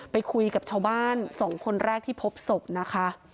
ไปคุยกับชาวบ้าน๒คนแรกที่พบศพนะคะ